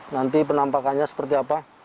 nanti penampakannya seperti apa